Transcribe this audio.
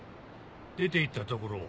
出て行ったところは？